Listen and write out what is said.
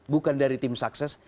bukan dari tim sukses